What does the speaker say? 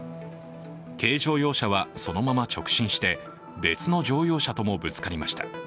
軽乗用車はそのまま直進して別の乗用車ともぶつかりました。